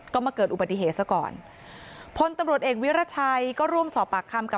ก็มาเกิดอุบัติเหตุซะก่อนพลตำรวจเอกวิรัชัยก็ร่วมสอบปากคำกับ